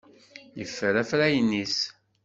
Yeffer afrayen-nnes.